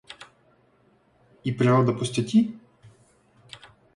И природа пустяки?